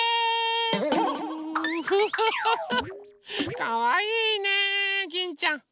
かわいいねギンちゃん。